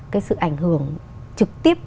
cái sự ảnh hưởng trực tiếp